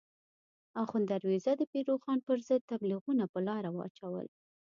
اخوند درویزه د پیر روښان پر ضد تبلیغونه په لاره واچول.